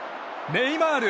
ネイマール！